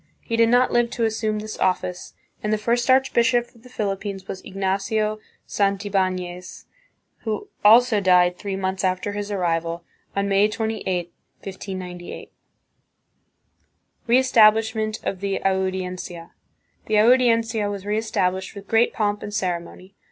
He did not live to assume this office, and the first arch bishop of the Philippines was Ignacio Santibanez, who also died three months after his arrival, on May 28, 1598. CONQUEST AND SETTLEMENT, 1565 1600. 153 Reestablishment of the Audiencia. The Audiencia was reestablished with great pomp and ceremony.